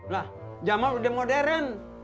lah zaman udah modern